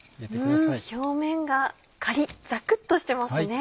表面がカリっザクっとしてますね。